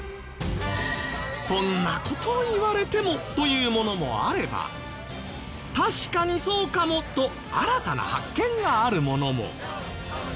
そんな事を言われてもというものもあれば確かにそうかもと新たな発見があるものも。